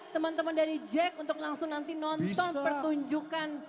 teman teman dari jack untuk langsung nanti nonton pertunjukan